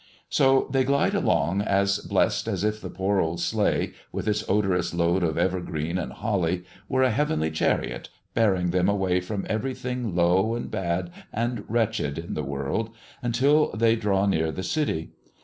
So they glide along as blessed as if the poor old sleigh, with its odorous load of evergreen and holly, were a heavenly chariot bearing them away from everything low and bad and wretched in the world, until they draw near the city.